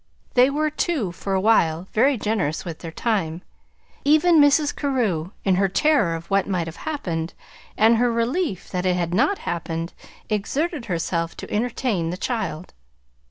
They were, too, for a while, very generous with their time. Even Mrs. Carew, in her terror of what might have happened, and her relief that it had not happened, exerted herself to entertain the child.